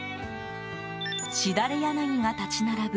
枝垂れ柳が立ち並ぶ